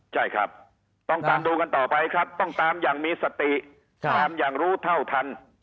ใช่ครับต้องตามดูกันต่อไปครับต้องตามอย่างมีสติตามอย่างรู้เท่าทัน